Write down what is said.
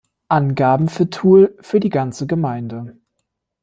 Angaben für Toul für die ganze Gemeinde.